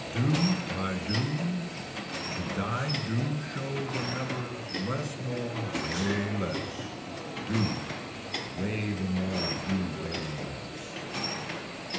Due tie due to die due show the never less more way less. Do, weigh the more do way less.